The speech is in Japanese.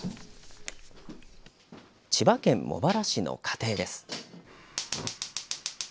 千葉県茂原市の家庭です。